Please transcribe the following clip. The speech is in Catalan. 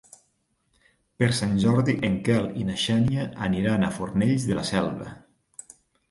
Per Sant Jordi en Quel i na Xènia aniran a Fornells de la Selva.